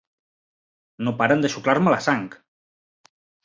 No paren de xuclar-me la sang!